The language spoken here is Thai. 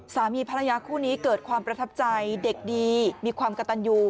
สามีภรรยาคู่นี้เกิดความประทับใจเด็กดีมีความกระตันอยู่